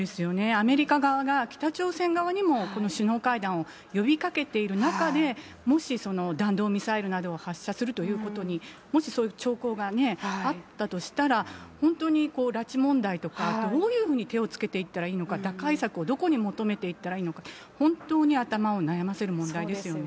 アメリカ側が北朝鮮側にもこの首脳会談を呼びかけている中で、もし、弾道ミサイルなどを発射するということに、もしそういう兆候があったとしたら、本当に拉致問題とか、どういうふうに手をつけていったらいいのか、打開策をどこに求めていったらいいのか、本当に頭を悩ませる問題ですよね。